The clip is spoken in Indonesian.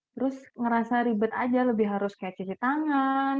terus ngerasa ribet aja lebih harus kayak cuci tangan